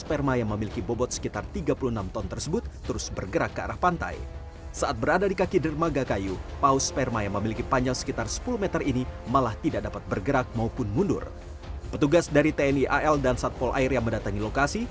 petugas dari tni al dan satpol air yang mendatangi lokasi